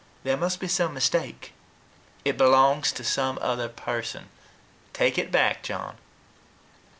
"There must be some mistake. It belongs to some other person. Take it back, John."